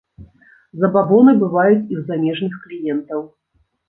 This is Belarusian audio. Забабоны бываюць і ў замежных кліентаў.